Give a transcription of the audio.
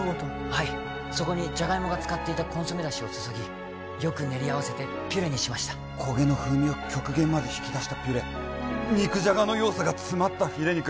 はいそこにじゃがいもがつかっていたコンソメ出汁を注ぎよく練り合わせてピュレにしました焦げの風味を極限まで引き出したピュレ肉じゃがの要素が詰まったフィレ肉